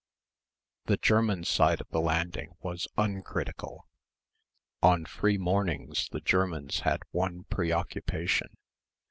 The German side of the landing was uncritical. On free mornings the Germans had one preoccupation.